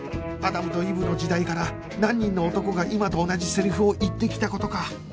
アダムとイブの時代から何人の男が今と同じセリフを言ってきた事か